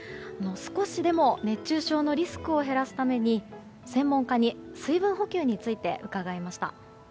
少しでも熱中症のリスクを減らすために専門家に水分補給について伺いました。